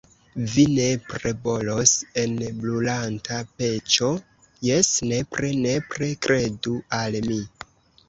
Vi nepre bolos en brulanta peĉo, jes, nepre, nepre, kredu al mi!